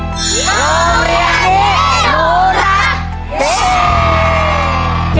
โรงเรียนดีหนูรักเย้